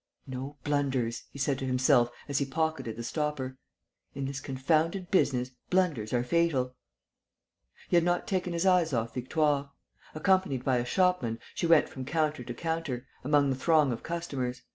"No blunders!" he said to himself, as he pocketed the stopper. "In this confounded business, blunders are fatal." He had not taken his eyes off Victoire. Accompanied by a shopman, she went from counter to counter, among the throng of customers.